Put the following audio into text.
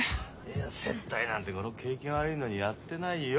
接待なんてこの景気が悪いのにやってないよ。